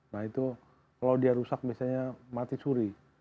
nah itu kalau dia rusak biasanya mati suri